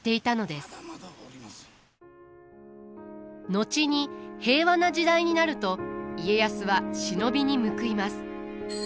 後に平和な時代になると家康は忍びに報います。